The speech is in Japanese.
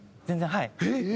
全然はい。